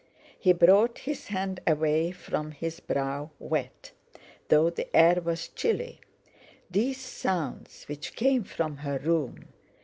He brought his hand away from his brow wet, though the air was chilly. These sounds which came from her room!